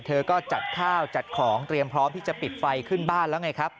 เธอก็จัดข้าวจัดของเตรียมพร้อมที่จะปิดไฟขึ้นบ้านแล้วไงครับ